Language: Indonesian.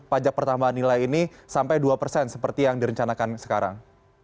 pajak pertambahan nilai ini sampai dua persen seperti yang direncanakan sekarang